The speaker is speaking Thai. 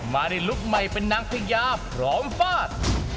มาในลุคใหม่เป็นนางพญาพร้อมฟาด